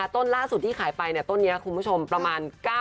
ต้นล่าสุดที่ขายไปต้นนี้คุณผู้ชมประมาณ